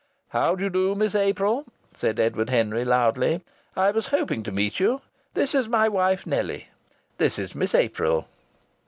"How do you do, Miss April?" said Edward Henry, loudly. "I was hoping to meet you. This is my wife. Nellie this is Miss April."